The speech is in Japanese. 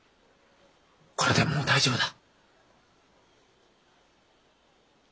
これでもう大丈夫だ。